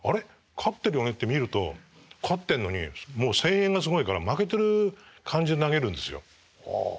勝ってるよね？」って見ると勝ってんのにもう声援がすごいから負けてる感じで投げるんですよ。